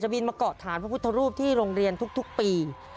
บินมาเกาะฐานพระพุทธรูปที่โรงเรียนทุกปี